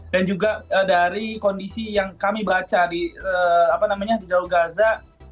dan juga dari kondisi yang kami baca di jalur gaza